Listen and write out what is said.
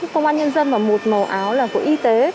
công an nhân dân và một màu áo là của y tế